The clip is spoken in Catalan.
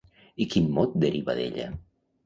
I quin mot deriva d'ella?